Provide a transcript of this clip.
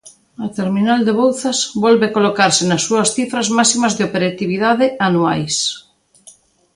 A terminal de Bouzas volve colocarse nas súas cifras máximas de operatividade anuais.